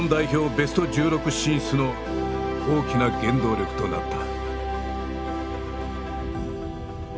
ベスト１６進出の大きな原動力となった。